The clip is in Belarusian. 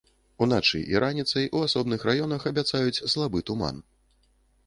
Уначы і раніцай у асобных раёнах абяцаюць слабы туман.